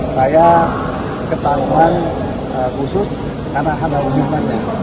saya ketahuan khusus karena ada hubungannya